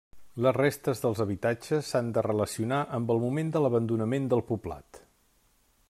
Les restes dels habitatges s'han de relacionar amb el moment de l'abandonament del poblat.